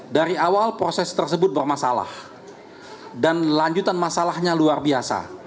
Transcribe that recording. dari awal proses tersebut bermasalah dan lanjutan masalahnya luar biasa